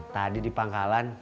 tadi di pangkalan